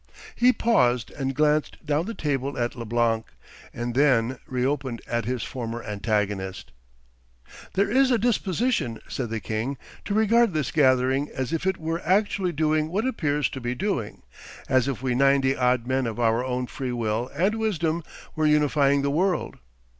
He paused and glanced down the table at Leblanc, and then re opened at his former antagonist. 'There is a disposition,' said the king, 'to regard this gathering as if it were actually doing what it appears to be doing, as if we ninety odd men of our own free will and wisdom were unifying the world.